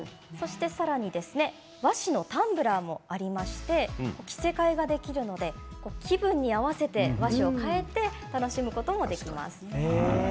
さらに和紙のタンブラーもありまして着せかえができるので気分に合わせて和紙を替えて楽しむこともできます。